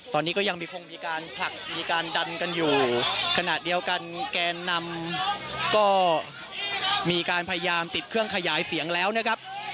ตอนนี้ก็ยังมีคงมีการผลักมีการดันกันอยู่ขณะเดียวกันแกนนำก็มีการพยายามติดเครื่องขยายเสียงแล้วนะครับ